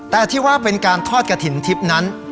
แต่ที่ว่าเป็นการทอดกระถิ่นทิพย์นั้น